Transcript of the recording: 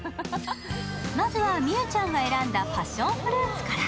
まずは美羽ちゃんが選んだパッションフルーツから。